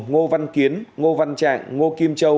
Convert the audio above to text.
ngô văn kiến ngô văn trạng ngô kim châu